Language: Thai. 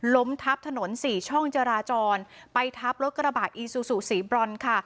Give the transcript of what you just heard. ล้มทับถนนสี่ช่องจราจรไปทับรถกระบะอีซูซูสีบรอนค่ะ